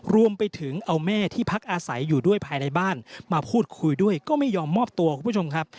รวมไปถึงเอาแม่ที่พักอาศัยอยู่ด้วยภายในบ้านมาพูดคุยด้วยก็ไม่ยอมมอบตัวคุณผู้ชมครับ